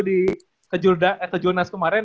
di kejurda eh kejurnas kemaren